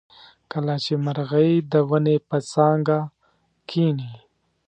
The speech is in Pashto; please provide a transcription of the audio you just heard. کله چې مرغۍ د ونې په څانګه کیني.